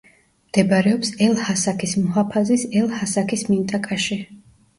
მდებარეობს ელ-ჰასაქის მუჰაფაზის ელ-ჰასაქის მინტაკაში.